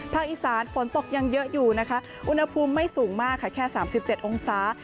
อีสานฝนตกยังเยอะอยู่นะคะอุณหภูมิไม่สูงมากค่ะแค่๓๗องศา